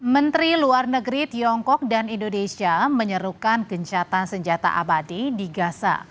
menteri luar negeri tiongkok dan indonesia menyerukan gencatan senjata abadi di gaza